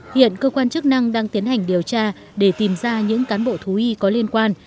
hiện cơ quan chức năng đang tiến hành điều tra để tìm ra những cán bộ thú y có liên quan